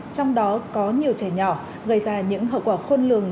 trong đó có nhiều trẻ nhỏ gây ra những hậu quả khôn lường